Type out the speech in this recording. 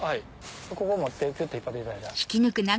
ここ持ってピュっと引っ張っていただいたら。